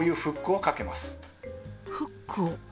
フックを。